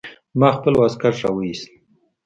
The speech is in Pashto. ما خپل واسکټ راوايست.